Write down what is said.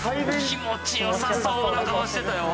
気持ちよさそうな顔してたよ